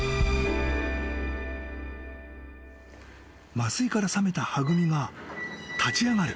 ［麻酔から覚めたはぐみが立ち上がる］